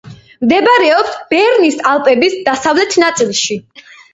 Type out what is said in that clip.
მდებარეობს ბერნის ალპების დასავლეთ ნაწილში.